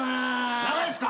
長いっすか？